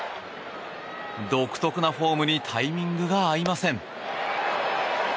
独特なフォームにタイミングが合いません。